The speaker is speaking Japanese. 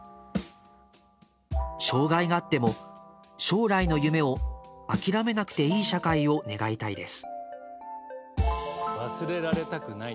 「障害があっても将来の夢を諦めなくていい社会を願いたいです」。